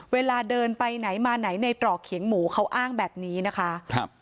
เวลาเดินไปไหนมาไหนในตรอกเขียงหมูเขาอ้างแบบนี้นะคะครับ